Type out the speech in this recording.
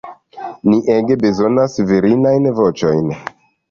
Ni ege bezonas virinajn voĉojn.